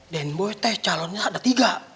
den boy tes calonnya ada tiga